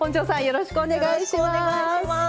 よろしくお願いします。